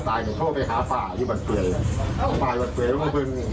ก็เลยเป็นเรื่องนี้